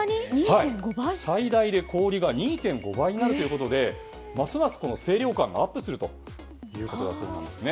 最大で氷が２．５倍になるということでますます清涼感がアップするということだそうなんですね。